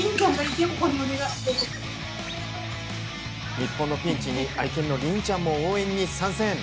日本のピンチに愛犬の鈴ちゃんも応援に参戦。